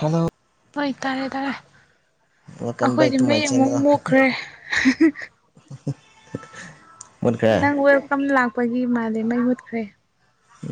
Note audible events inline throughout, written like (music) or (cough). Hello ꯍꯣꯏ ꯇꯥꯔꯦ ꯇꯥꯔꯦ ꯋꯦꯜꯀꯝ ꯕꯦꯛ ꯑꯩꯈꯣꯏꯗꯤ ꯇꯨ ꯃꯥꯏ ꯃꯩ ꯑꯃꯨꯛ ꯆꯦꯅꯦꯜ ꯃꯣꯛꯈ꯭ꯔꯦ (inaudible) ꯅꯡ ꯋꯦꯜ ꯀꯝ ꯂꯥꯛ ꯄꯒꯤ ꯃꯥꯂ ꯃꯩ ꯃꯨꯠꯈ꯭ꯔꯦ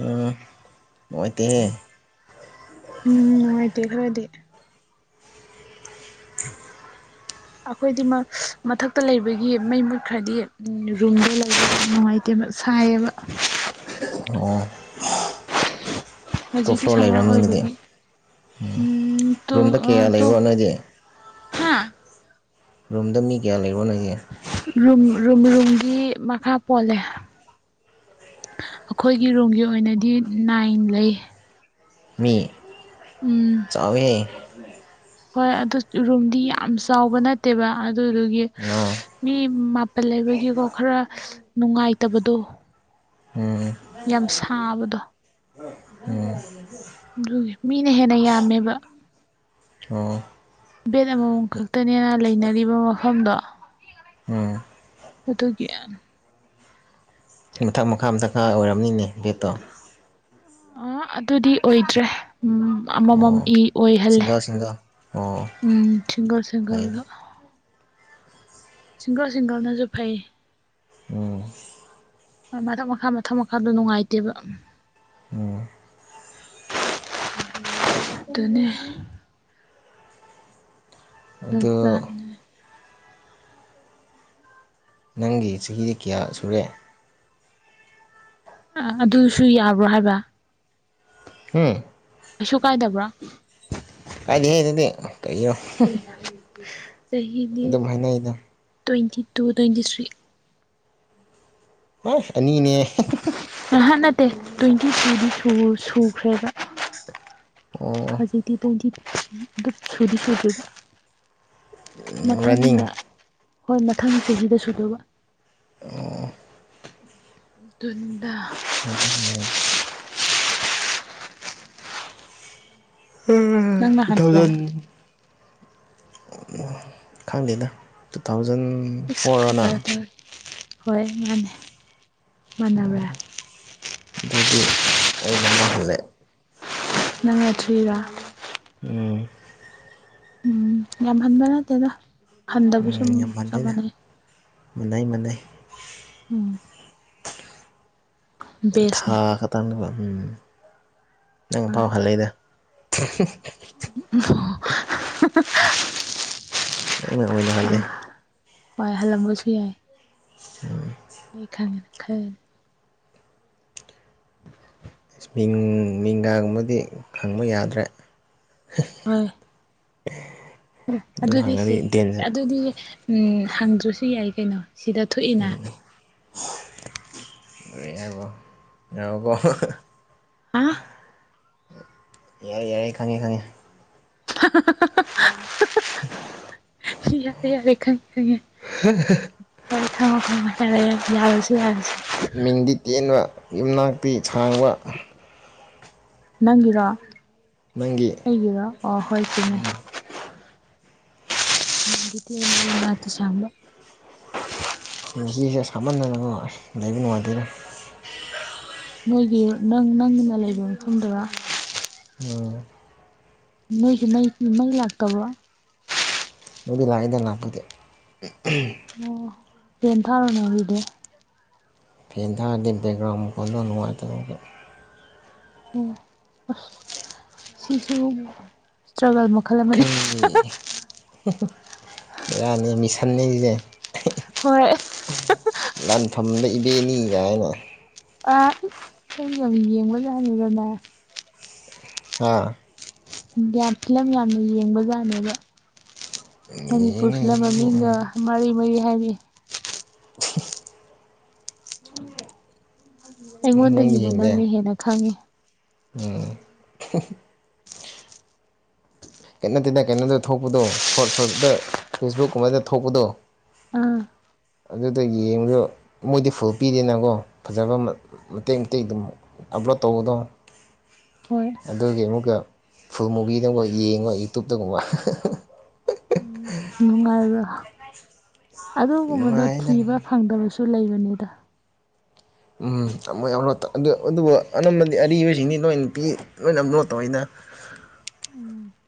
ꯎꯝ ꯅꯣꯏ ꯇ ꯍꯦ ꯎꯝ ꯍꯥꯏꯇꯦ ꯈꯔꯗꯤ (inaudible) ꯑꯩꯈꯣꯏꯗꯤ ꯃꯊꯛꯇ ꯂꯩꯕꯒꯤ ꯃꯩ ꯃꯨꯠꯈ꯭ꯔꯗꯤ ꯔꯨꯝꯗ ꯂꯩꯕ ꯌꯥꯝ ꯅꯨꯡꯉꯥꯏꯇꯦꯕ ꯁꯥꯏꯌꯦꯕ ꯑꯣ ꯇꯣꯞ ꯍꯧꯖꯤꯛꯇꯤ ꯐ꯭ꯂꯣꯔ ꯁꯝꯃꯔ ꯂꯩꯔꯝꯅꯤꯗꯨꯗꯤ ꯑꯣꯏꯕꯒꯤ ꯎꯝ ꯔꯨꯝꯗ ꯀꯌꯥ ꯂꯩꯕ꯭ꯔꯣ ꯅꯣꯏꯗꯤ ꯍꯥꯥ ꯔꯨꯝꯗ ꯃꯤ ꯀꯌꯥ ꯂꯩꯔꯣ ꯅꯣꯏꯗꯤ ꯔꯨꯝ ꯔꯨꯝ ꯔꯨꯝꯒꯤ ꯃꯈꯥ ꯄꯣꯜꯂꯦ ꯑꯈꯣꯏꯒꯤ ꯔꯨꯝꯒꯤ ꯑꯣꯏꯅꯗꯤ ꯅꯥꯏꯟ ꯂꯩ ꯃꯤ ꯎꯝ ꯆꯥꯎꯋꯦ ꯍꯦ (inaudible) ꯍꯣꯏ ꯑꯗꯨ ꯔꯨꯝꯗꯤ ꯌꯥꯝ ꯆꯥꯎꯕ ꯅꯠ ꯇꯦꯕꯥ ꯑꯗꯨꯗꯨꯒꯤ ꯑꯣ ꯃꯤ ꯃꯥꯄꯜ ꯂꯩꯕꯒꯤꯀꯣ ꯈꯔ ꯅꯨꯡꯉꯥꯏꯇꯕꯗꯣ ꯎꯝ ꯌꯥꯝ ꯁꯥꯕꯗꯣ ꯎꯝ ꯑꯗꯨꯒꯤ ꯃꯤꯅ ꯍꯦꯟꯅ ꯌꯥꯝꯃꯦꯕ ꯑꯣ ꯕꯦꯠ ꯑꯃꯃꯝ ꯈꯛꯇꯅꯦꯅ ꯂꯩꯅꯔꯤꯕ ꯃꯐꯝꯗꯣ ꯎꯝ ꯑꯗꯨꯒꯤ ꯌꯥꯝ ꯃꯊꯛ ꯃꯈꯥ ꯃꯊꯛ ꯈꯥ ꯑꯣꯏꯔꯕꯝꯅꯤꯅꯦ ꯕꯦꯠꯇꯣ (unintelligible) ꯑꯗꯨꯗꯤ ꯑꯣꯏꯗ꯭ꯔꯦ꯫ ꯎꯝ ꯑꯃꯃꯝ ꯑꯣ ꯏ ꯑꯣꯏꯍꯜꯂꯦ ꯁꯤꯡꯒꯜ ꯁꯤꯡꯒꯜ ꯑꯣ ꯎꯝ ꯁꯤꯡꯒꯜ ꯐꯩꯅꯦ ꯁꯤꯡꯒꯜꯗ꯫ ꯁꯤꯡꯒꯜ ꯁꯤꯡꯒꯜꯅꯁꯨ ꯐꯩ꯫ ꯎꯝ꯫ ꯍꯣꯏ ꯃꯊꯛ ꯃꯈꯥ ꯃꯊꯛ ꯃꯈꯥꯗꯣ ꯅꯨꯡꯉꯥꯏꯇꯦꯕ꯫ ꯎꯝ꯫ ꯑꯗꯨꯅꯦ꯫ ꯑꯗꯨ (inaudible) ꯅꯪꯒꯤ ꯆꯍꯤꯗꯤ ꯀꯌꯥ ꯁꯨꯔꯦ꯫ ꯑ ꯑꯗꯨꯁꯨ ꯌꯥꯕ꯭ꯔꯣ ꯍꯥꯏꯕ꯫ ꯎꯝ꯫ ꯀꯩꯁꯨ ꯀꯥꯏꯗꯕ꯭ꯔꯣ꯫ ꯀꯥꯏꯗꯦꯍꯦ ꯑꯗꯨꯗꯤ ꯀꯔꯤꯅꯣ ꯑꯗꯨꯝ ꯍꯥꯏꯅꯩꯗ꯫ Twenty two twenty three. ꯑꯁ ꯑꯅꯤꯅꯦ꯫ ꯑꯍꯥꯠ ꯅꯠꯇꯦ ꯇ꯭ꯋꯦꯟꯇꯤ ꯇꯨꯗꯤ ꯁꯨ ꯁꯨꯈ꯭ꯔꯦꯕ꯫ ꯑꯣ ꯍꯧꯖꯤꯛꯇꯤ ꯇꯣꯋꯦꯟꯇꯤ ꯑꯗꯨ ꯁꯨꯗꯤ ꯁꯨꯗꯔꯤꯗ꯫ ꯔꯥꯅꯤꯡ꯫ ꯍꯣꯏ ꯃꯊꯪ ꯆꯍꯤꯗ ꯁꯨꯗꯧꯕ꯫ ꯑꯣ꯫ ꯗꯨꯟꯅ꯫ (unintelligible) ꯇꯨ ꯅꯪꯅ ꯍꯟꯕ꯭ꯔꯥ ꯊꯥꯎꯖꯟ꯫ ꯈꯪꯗꯦꯗ ꯇꯨ ꯊꯥꯎꯖꯟ ꯖꯟ ꯐꯣꯔ ꯔꯥ ꯅꯪ꯫ ꯍꯣꯏ ꯃꯥꯅꯤ꯫ ꯃꯥꯟꯅꯕꯔꯥ꯫ ꯑꯩ ꯑꯃꯥ ꯍꯥꯜꯂꯦ꯫ ꯅꯪꯅ ꯊ꯭ꯔꯤꯔ꯫ ꯎꯝ꯫ ꯎꯝ ꯌꯥꯝ ꯍꯟꯕ ꯅꯠꯇꯦꯗ꯫ ꯍꯟꯗꯕ ꯁꯨꯝ ꯆꯞ ꯃꯥꯟꯅꯩ꯫ ꯃꯥꯅꯩ ꯃꯥꯅꯩ꯫ ꯎꯝ ꯕꯦꯁꯅꯦ ꯊꯥ ꯈꯇꯪꯗ ꯎꯝ꯫ ꯅꯪ ꯐꯥꯎ ꯍꯥꯜꯂꯦꯗ꯫꯫ (unintelligible) ꯑꯣ (unintelligible) ꯍ (unintelligible) (unintelligible) ꯑꯣꯏꯅꯍꯜꯂꯦ ꯍꯣꯏ ꯍꯜꯂꯝꯕꯁꯨ ꯌꯥꯏ ꯍ ꯈꯥꯡꯒ ꯈꯔ ꯏꯁ ꯃꯤꯡ ꯃꯤꯡꯒꯥꯒꯨꯝꯕꯗꯤ ꯈꯪꯕ ꯌꯥꯗ꯭ꯔꯦ ꯍꯣꯏ (unintelligible) ꯑꯗꯨ ꯑꯗꯨꯗꯤ ꯁꯤ ꯍꯪꯉꯗꯤ ꯗꯦꯟꯖꯔ ꯑꯗꯨꯗꯤ ꯎꯝ ꯍꯪꯗ꯭ꯔꯁꯨ ꯌꯥꯏ ꯀꯩꯅꯣ ꯁꯤꯗ ꯊꯣꯛꯏꯅ ꯌꯥꯔꯤꯕꯣ ꯌꯥꯎꯔꯕꯣ ꯑ ꯌꯥꯔꯦ ꯌꯥꯔꯦ ꯈꯪꯉꯦ ꯈꯪꯉꯦ (unintelligible) (unintelligible) ꯌꯥꯔꯦ ꯌꯥꯔꯦ ꯈꯪꯉꯦ ꯈꯪꯉꯦ ꯍ ꯊꯃꯣ ꯊꯄꯣ ꯍ ꯌꯥꯁꯤ ꯌꯥꯁꯤ (unintelligible) ꯄꯤ ꯁꯥꯡꯕ ꯅꯪꯒꯤꯔꯣ ꯅꯪꯒꯤ ꯑꯩꯒꯤꯔꯣ ꯑꯣ ꯍꯣꯏ ꯆꯨꯃꯦ ꯗꯤꯇ ꯁꯃ (unintelligible) ꯉꯁꯤꯁꯦ ꯁꯥꯃꯟꯗꯅꯀꯣ ꯂꯩꯕ ꯅꯨꯡꯉꯥꯏꯦꯗ ꯅꯣꯏꯒꯤ ꯅꯪ ꯅꯪꯅ ꯂꯩꯕ ꯃꯐꯝꯗꯕ ꯎꯝ ꯃꯣꯏ ꯃꯩ ꯃꯩ ꯂꯥꯛꯇꯥꯕ ꯑꯗꯨꯗꯤ ꯂꯥꯛꯑꯗ ꯂꯥꯛꯄꯤꯗꯦ ꯑꯣ ꯄꯦꯟ ꯊꯥꯔꯣꯅꯔꯤꯗ ꯐꯦꯟ ꯊꯔꯗꯤ ꯕꯦꯛꯒ꯭ꯔꯥꯎ ꯃꯈꯣꯜꯗꯣ ꯅꯨꯉꯥꯏꯇꯕꯒꯤ ꯁꯤꯁꯨ ꯏꯁꯇ꯭ꯔꯒꯜ ꯃ ꯀꯔꯤ ꯍꯝ ꯍꯝ ꯃꯤꯔꯥꯅꯤ ꯃꯤꯁꯟꯅꯤꯁꯦ ꯍꯣꯏ ꯂꯥꯟꯐꯝꯗ ꯏꯕꯦꯅꯤ ꯍꯥꯏꯅ ꯑ ꯑꯩ ꯌꯥꯝ ꯌꯦꯡꯕ ꯌꯥꯍꯅꯤꯗꯅ ꯑꯥ ꯗꯤꯌꯥ ꯐꯤꯂꯝ ꯌꯥꯝꯅ ꯌꯦꯡꯕ ꯖꯥꯠꯅꯦꯕ ꯃꯅꯤꯄꯨꯔ ꯌꯦꯡꯉꯦ ꯐꯤꯂꯝ ꯌꯦꯡꯕꯗꯤ ꯃꯃꯤꯡ ꯒꯥ ꯎꯝ ꯃꯔꯤ ꯃꯔꯤ ꯍꯥꯏꯕꯤ (inaudible) ꯑꯩꯉꯣꯟꯗꯒꯤꯕꯨ ꯅꯪꯅ ꯍꯦꯟꯅ ꯈꯪꯉꯦ ꯎꯝ ꯈꯦꯠꯅ ꯇꯦꯅ ꯀꯩꯅꯣꯗ ꯊꯣꯛꯄꯗꯣ ꯁꯣꯔꯠ ꯁꯣꯔꯠꯇꯠꯇ ꯐꯦꯁꯕꯨꯛꯀꯨꯝꯕꯗ ꯊꯣꯛꯄꯗꯣ ꯑꯥ ꯑꯗꯨꯗ ꯌꯦꯡꯕꯗꯣ ꯃꯣꯏꯗꯤ ꯐꯨꯜ ꯄꯤꯗꯦꯅꯀꯣ ꯐꯖꯕ ꯃꯇꯦꯛ ꯃꯇꯦꯛ ꯑꯗꯨꯝ ꯑꯞꯂꯣꯗ ꯇꯧꯕꯗꯣ ꯍꯣꯏ ꯑꯗꯨꯒꯤ ꯑꯃꯨꯛꯀ ꯐꯨꯃꯨꯕꯤꯤꯗꯕ ꯌꯦꯡꯉꯣ ꯌꯨꯇꯨꯞꯇ ꯒꯨꯝꯕ ꯅꯨꯡꯉꯥꯏꯕ꯭ꯔ ꯑꯗꯨꯒꯨꯝꯕꯗꯣ ꯅꯨꯡꯉꯥꯏꯗ ꯊꯤꯕ ꯐꯪꯗꯕꯁꯨ ꯂꯩ ꯀꯗ ꯎꯝ ꯇ ꯌꯥꯝ ꯂꯣ ꯑꯗꯨꯕꯨ ꯑꯅꯝꯕꯗꯤ ꯑꯔꯤꯕꯁꯤꯡꯗꯤ ꯂꯣꯏ ꯅꯨꯄꯤ ꯂꯣꯏ ꯑꯃꯂꯣꯠ ꯇꯧꯋꯤꯅ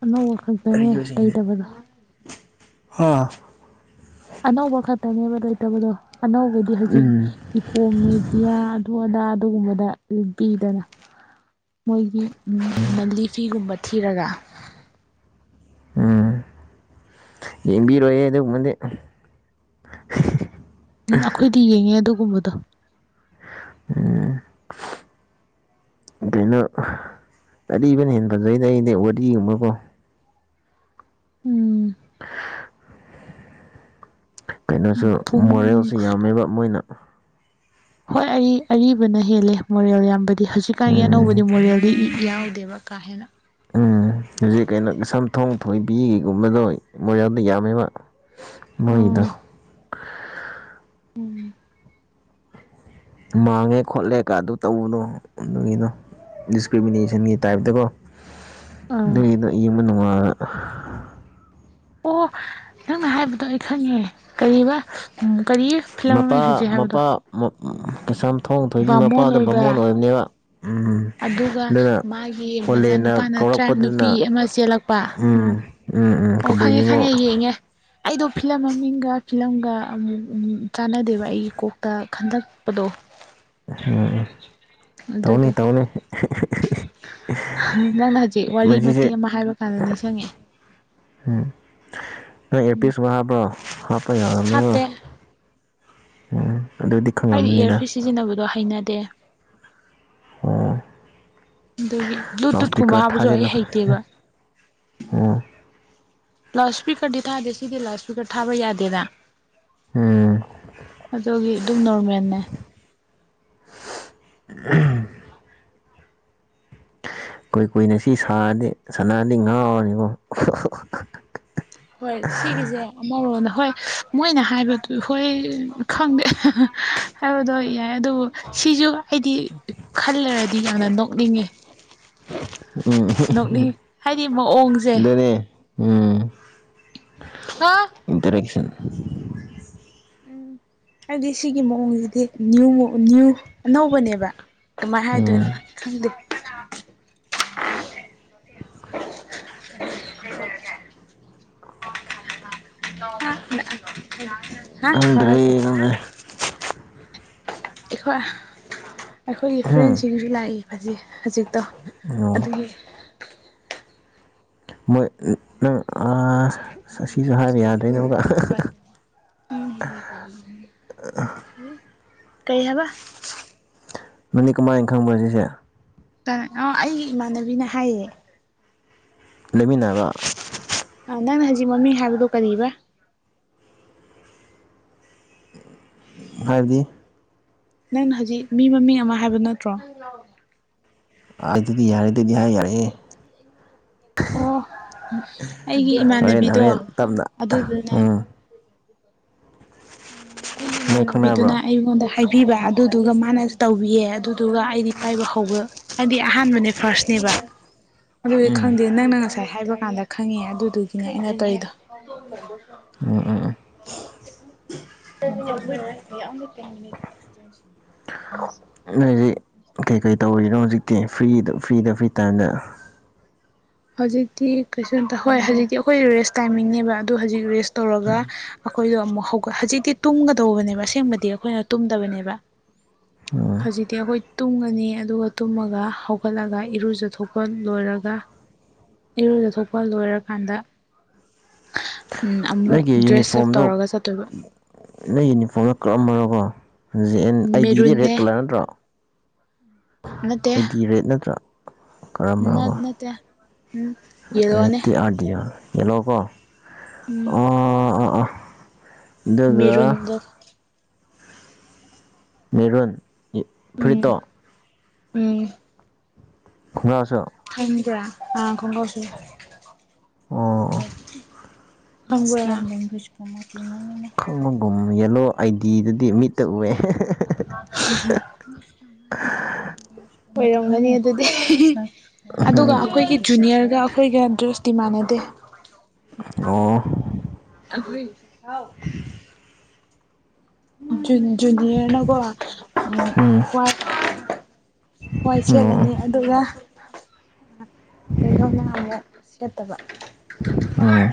ꯑꯅꯧꯕ ꯈꯛꯇꯅꯦ ꯂꯩꯇꯕꯗꯣ ꯍꯥꯥ ꯑꯅꯧꯕ ꯈꯇꯅꯦꯕꯣꯣꯏꯇꯕꯗꯣ ꯑꯅꯧꯕꯗꯤ ꯍꯧꯖꯤꯛ ꯎꯝ ꯏꯄꯣꯝ ꯃꯦꯗꯤꯌꯥ ꯑꯗꯨ ꯑꯗꯥ ꯑꯗꯨꯒꯨꯝꯕꯗ ꯂꯕꯤꯗꯅ ꯃꯣꯏꯒꯤ ꯃꯟꯂꯤ ꯐꯤꯒꯨꯝꯕ ꯊꯤꯔꯒ ꯎꯝ ꯌꯦꯡꯕꯤꯔꯣꯌꯦꯦ ꯑꯗꯨꯒꯕꯗꯤ ꯎꯝ ꯑꯩꯈꯣꯏꯗꯤ ꯌꯦꯡꯉꯦ ꯑꯗꯨꯒ ꯀꯨꯝꯕꯗꯣ ꯎ ꯀꯩꯅꯣ ꯑꯔꯤꯕꯅ ꯍꯦ ꯐꯖꯩꯗ ꯑꯩꯗꯤꯩ ꯋꯥꯔꯤꯒꯨꯝꯕꯀꯣ ꯎꯝ (inaudible) (inaudible) ꯀꯩꯅꯣꯁꯨ ꯄꯨꯡ ꯃꯣꯔꯦꯜꯁꯨ ꯌꯥꯝꯃꯦꯕ ꯃꯣꯏꯅ ꯍꯣꯏ ꯑꯔꯤꯕꯅ ꯍꯦꯜꯂꯦ ꯃꯣꯔꯦꯜ ꯌꯥꯝꯕ ꯑ ꯍꯧꯖꯤꯛꯀꯥꯟꯒꯤ ꯑꯅꯧꯕꯗꯤ ꯎꯝ ꯃꯣꯔꯦꯜꯗꯤ ꯏ ꯌꯥꯎꯗꯦꯕ ꯀꯥ ꯍꯦꯅ ꯎꯝ ꯑꯗꯨꯨꯝꯃꯦꯗꯣ ꯃꯣꯏꯖ ꯌꯥꯝꯥꯗ ꯌꯥꯝꯃꯦꯃ ꯃꯣꯏꯗ ꯎꯝ ꯃꯥꯡꯉꯦ ꯈꯣꯠꯂꯦ ꯀ ꯑꯗꯨ ꯇꯧꯕꯗꯣ ꯑꯗꯨꯒꯤꯅꯣ ꯗꯤꯁꯀ꯭ꯔꯤꯃꯤꯅꯦꯁꯟꯒꯤ ꯇꯥꯏꯞꯇꯀꯣ ꯑꯥ ꯂꯩꯗ ꯏ ꯃꯅꯅꯨꯡꯉ ꯑ ꯑꯣ ꯅꯪꯅ ꯍꯥꯏꯕꯗꯣ ꯑꯩ ꯈꯪꯉꯦ ꯀꯩ ꯑꯕꯥ ꯃꯄꯥ ꯃꯄꯥ ꯃꯞ ꯀꯁꯝ ꯊꯣꯡ ꯊꯣꯏꯕꯤ ꯕꯥꯃꯣꯟ ꯃꯄꯥꯗꯣ ꯑꯣꯏꯕ ꯕꯃꯣꯟ ꯑꯣꯏꯕꯅꯦꯕ ꯎꯝ ꯑꯗꯨꯒ ꯑꯗꯨꯅ ꯃꯥꯒꯤ ꯑꯣꯂꯦꯟꯅ ꯃꯆꯥꯅꯨꯄꯥꯅ ꯇ꯭ꯔꯥꯏꯞ ꯅꯨꯄꯤ ꯀꯧꯔꯛꯄꯗꯨꯅ ꯑꯃ ꯆꯦꯜꯂꯛꯄ ꯎꯝ ꯎꯝ ꯎꯝ ꯑꯣ ꯈꯪꯉꯦ ꯀꯕꯨꯏꯅꯤꯉꯣ ꯈꯪꯉꯦ ꯌꯦꯡꯉꯦ ꯑꯩꯗꯣ ꯐꯤꯂꯝ ꯃꯃꯤꯡꯒ ꯐꯤꯂꯝꯒ ꯑꯃꯨꯛ ꯆꯥꯟꯅꯗꯦꯕ ꯑꯩꯒꯤ ꯀꯣꯛꯇ ꯈꯟꯗꯛꯄꯗꯣ ꯇꯧꯅꯤ ꯑꯗꯨꯗꯨꯒꯤ ꯇꯧꯅꯤ ꯅꯪ ꯍꯧꯖꯤꯛ ꯋꯥꯔꯤ ꯃꯇꯦꯛ ꯃꯁꯤꯁꯦ ꯑꯃ ꯍꯥꯏꯕ ꯀꯥꯟꯗ ꯅꯤꯡꯁꯤꯡꯉꯛꯑꯦ ꯎꯝ ꯅꯪ ꯏꯌꯔꯄꯤꯁꯕꯨ ꯍꯥꯞꯄꯔꯣ ꯍꯥꯞꯄ ꯌꯥꯔꯅꯤꯉꯣ ꯍꯥꯞꯇꯦ ꯎꯝ ꯑꯗꯨꯗꯤ ꯈꯪꯉꯝꯃꯅꯤꯅ ꯑꯩꯅꯗꯦ ꯑꯣ ꯗꯨꯒꯤ ꯂꯥꯎꯠ ꯕ꯭ꯂꯨꯇꯨꯠ ꯀꯨꯝꯕ ꯏꯁꯄꯤꯀꯔ ꯍꯥꯞꯄꯁꯨ ꯊꯥꯖꯤꯜꯂꯣ ꯑꯩ ꯍꯩꯇꯦꯕ ꯎꯝ ꯂꯥꯎꯠ ꯏꯁꯄꯤꯀꯔꯗꯤ ꯊꯥꯗꯦ ꯁꯤꯗꯤ ꯂꯥꯎꯠ ꯏꯁꯄꯤꯀꯔ ꯊꯥꯕ ꯌꯥꯗꯦꯅ ꯎꯝ ꯑꯗꯨꯒꯤ ꯑꯗꯨꯝ ꯅꯣꯔꯃꯦꯟꯅꯦ ꯎꯍꯨꯝ ꯀꯣꯏ ꯀꯨꯏꯅ ꯁꯤ ꯁꯥꯔꯗꯤ ꯁꯅꯥꯔꯗꯤ ꯉꯥꯎꯅꯤꯀꯣ ꯍꯣꯏ ꯁꯤꯒꯤꯁꯦ ꯑꯃꯔꯣꯗ ꯍꯣꯏ ꯃꯣꯏꯅ ꯍꯥꯏꯕꯗꯨ ꯍꯣꯏ ꯈꯪꯗꯦ ꯍꯥꯏꯕꯗꯣ ꯌꯥꯏ ꯑꯗꯨꯕꯨ ꯁꯤꯁꯨ ꯍꯩꯗꯤ ꯈꯜꯂꯩꯔꯗꯤ ꯌꯥꯝꯅ ꯅꯣꯛꯅꯤꯡꯉꯦ ꯎꯝ ꯅꯣꯛꯅꯤꯡ ꯍꯥꯏꯗꯤ ꯃꯑꯣꯡꯁꯦ ꯑꯗꯨꯅꯦ ꯎꯝ ꯍꯥ ꯏꯟꯇꯔꯦꯛꯁꯟ (inaudible) ꯎꯝ ꯍꯥꯏꯗꯤ ꯁꯤꯒꯤ ꯃꯑꯣꯡꯁꯤꯗꯤ ꯅ꯭ꯌꯨ ꯅꯌ꯭ꯨ ꯑꯅꯧꯕꯅꯦꯕ ꯀꯃꯥꯏ ꯍꯥꯏꯗꯣꯏꯅꯣ ꯎꯝ ꯈꯪꯗꯦ (inaudible) ꯑ (unintelligible) ꯍꯥ ꯈꯔ ꯇ ꯈꯪꯗ꯭ꯔꯦ ꯈꯪꯗ꯭ꯔꯦ ꯑꯩꯈꯣ ꯑꯩꯈꯣꯏꯒꯤ ꯎꯝ ꯐ꯭ꯔꯦꯟꯁꯤꯡꯁꯨ ꯂꯥꯛꯏ ꯍꯖꯤꯛ ꯍꯖꯤꯛ ꯇꯣ ꯑꯣ ꯑꯗꯨꯒꯤ ꯃꯣꯏ ꯑ ꯅꯪ ꯑꯁ ꯑꯁꯤꯁꯨ ꯍꯥꯏꯕ ꯌꯥꯗ꯭ꯔꯦꯅꯦ ꯑꯃꯨꯛꯀ (inaudible) ꯀꯩ ꯍꯥꯏꯕ ꯅꯪꯗꯤ ꯀꯃꯥꯏꯅ ꯈꯪꯕ꯭ꯔꯥ ꯁꯤꯁꯦ ꯑ ꯅꯣ ꯑꯩꯒꯤ ꯏꯃꯥꯟꯅꯕꯤꯅ ꯍꯥꯏꯌꯦ ꯂꯩꯃꯤꯟꯅꯕ ꯅꯪꯅ ꯍꯧꯖꯤꯛ ꯃꯃꯤꯡ ꯍꯥꯏꯕꯗꯣ ꯀꯔꯤꯕꯥ ꯍꯥꯏꯕꯗꯤ ꯅꯪꯅ ꯍꯧꯖꯤꯛ ꯃꯤ ꯃꯃꯤꯡ ꯑꯃ ꯍꯥꯏꯕ ꯅꯠꯇ꯭ꯔꯣ ꯑ ꯑꯗꯨꯗꯤ ꯌꯥꯔꯦ ꯑꯗꯨꯗꯤ ꯍꯥꯏ ꯌꯥꯔꯦꯍꯦ ꯑꯣ ꯑꯩꯒꯤ ꯍꯣꯔꯦꯟ ꯏꯃꯥꯟꯅꯕꯤꯗꯣ ꯍꯣꯔꯦꯟ ꯇꯞꯅ ꯑꯗꯨꯗꯨꯅ ꯎꯝ ꯑꯩꯒꯤ ꯅꯣꯏ ꯈꯪꯅꯕ꯭ꯔꯣ ꯏꯃꯥꯟꯅꯕꯤꯗꯨꯅ ꯑꯩꯉꯣꯟꯗ ꯍꯥꯏꯕꯤꯕ ꯑꯗꯨꯗꯨꯒ ꯃꯥꯅꯁꯨ ꯇꯧꯕꯤꯌꯦ ꯑꯗꯨꯗꯨꯒ ꯑꯩꯗꯤ ꯄꯥꯏꯕ ꯍꯧꯕ ꯍꯥꯏꯗꯤ ꯑꯍꯥꯟꯕꯅꯦ ꯐꯥꯔꯁꯅꯦꯕ ꯑꯗꯨꯗꯤ ꯎꯝ ꯈꯪꯗꯦ ꯅꯪꯅ ꯉꯁꯥꯏ ꯍꯥꯏꯕ ꯀꯥꯟꯗ ꯈꯪꯉꯦ ꯑꯗꯨꯗꯨꯒꯤꯅꯦ ꯑꯩꯅ ꯇꯧꯔꯤꯗꯣ ꯎꯝ ꯎꯝ ꯎꯝ (unintelligible) ꯅꯣꯏꯗꯤ ꯀꯩꯀꯩ ꯇꯧꯔꯤꯅꯣ ꯍꯧꯖꯤꯛ ꯑꯣ ꯀꯦ ꯐ꯭ꯔꯤꯗ ꯐ꯭ꯔꯤꯗ ꯐ꯭ꯔꯤ ꯇꯥꯏꯝꯗ ꯍꯧꯖꯤꯛꯇꯤ ꯀꯩꯁꯨꯇ ꯍꯣꯏ ꯍꯧꯖꯤꯛꯇꯤ ꯑꯩꯈꯣꯏ ꯔꯦꯁ ꯇꯥꯏꯃꯤꯡꯅꯦꯕ ꯑꯗꯨ ꯍꯧꯖꯤꯛ ꯔꯦꯁ ꯇꯧꯔꯒ ꯑꯩꯈꯣꯏꯗꯣ ꯑꯃꯨꯛ ꯍꯧꯒꯠ ꯍꯧꯖꯤꯛꯇꯤ ꯇꯨꯝꯒꯗꯧꯕꯅꯦꯕ ꯑꯁꯦꯡꯕꯗꯤ ꯑꯩꯈꯣꯏꯅ ꯇꯨꯝꯗꯕꯅꯦꯕ ꯎꯝ ꯍꯥꯏꯖꯤꯛꯇꯤ ꯑꯈꯣꯏ ꯇꯨꯝꯒꯅꯤ ꯑꯗꯨꯒ ꯇꯨꯝꯃꯒ ꯍꯧꯒꯠꯂꯒ ꯏꯔꯨꯖꯊꯣꯛꯄ ꯂꯣꯏꯔꯒ ꯏꯔꯣꯏꯕ ꯊꯣꯛꯄ ꯂꯣꯏꯔꯀꯥꯟꯗ ꯑꯃꯨꯛ ꯅꯪꯒꯤ ꯗ꯭ꯔꯦꯁ ꯑꯞ ꯌꯨꯅꯤꯐꯣꯔꯝꯗꯣ ꯇꯧꯔꯒ ꯆꯠꯇꯣꯏꯕ ꯅꯪ ꯌꯨꯅꯤꯐꯣꯔꯝꯗꯣ ꯀꯛꯑꯝꯃꯔꯀꯣ (inaudible) ꯖꯦ ꯑꯦꯟ ꯑꯩ ꯗꯤꯗꯤ ꯃꯦꯔꯨꯟꯅꯦ ꯔꯦꯗ ꯀꯂꯔ ꯅꯠꯇ꯭ꯔꯣ ꯑꯩꯗꯤ ꯔꯦꯠ ꯅꯠꯇ꯭ꯔꯥ ꯅꯠ ꯅ ꯅꯇ꯭ꯌꯥ ꯔꯦꯇꯤ ꯑꯥꯔ ꯗꯤ ꯑꯥꯔ ꯌꯦꯜꯂꯣ ꯀꯣ ꯎꯝ ꯑꯗꯨꯒ ꯃꯦꯔꯨꯟꯗꯣ ꯃꯦꯔꯨꯟ ꯐ꯭ꯔꯤꯠ ꯎꯝ ꯇꯣ ꯎꯝ ꯀꯅꯥꯁꯨꯣ ꯑ ꯀꯝꯕꯣꯁ ꯑꯣ (unintelligible) ꯈꯔ ꯍ ꯀ ꯈꯒꯨꯝ ꯌꯦꯂꯣ (inaudible) ꯍ (unintelligible) ꯒꯅꯤ ꯑꯗꯨꯗꯤ ꯑꯗꯨꯒ ꯎꯝ ꯑꯩꯈꯣꯏꯒꯤ ꯖꯨꯅꯤꯌꯔꯒ ꯑꯩꯈꯣꯏꯒ ꯗ꯭ꯔꯦꯁꯇꯤ ꯃꯥꯟꯅꯗꯦ ꯑꯣ (inaudible) ꯖꯨ ꯖꯨꯅꯤꯌꯔꯅ ꯎꯝ ꯀꯣ (unintelligible) ꯍꯣꯏ ꯁꯦꯠꯂꯅꯤ ꯑꯣ ꯑꯗꯨꯒ ꯀꯗꯣ ꯃꯌꯥꯝꯒ ꯁꯦꯠꯇꯕ ꯎꯝ